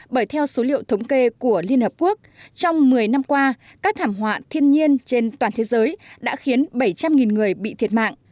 bởi theo số liệu thống kê của liên hợp quốc trong một mươi năm qua các thảm họa thiên nhiên trên toàn thế giới đã khiến bảy trăm linh người bị thiệt mạng